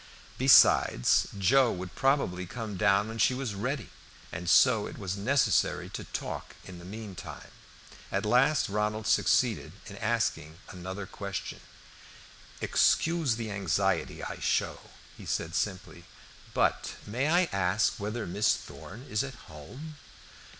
Besides, Joe would probably come down when she was ready, and so it was necessary to talk in the mean time. At last Ronald succeeded in asking another question. "Excuse the anxiety I show," he said simply, "but may I ask whether Miss Thorn is at home?"